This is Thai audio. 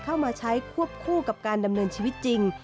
เข้ามาใช้ควบคู่กับการดำเนินชีวิตจริง